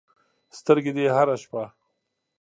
سترګې دې هره شپه